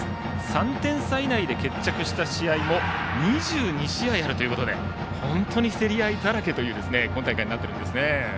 ３点差以内で決着した試合も２２試合あるということで本当に競り合いだらけという今大会になっています。